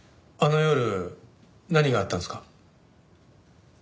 あの夜何があったんですか？